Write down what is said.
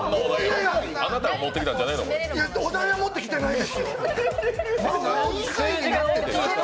お題は持ってきてないですよ。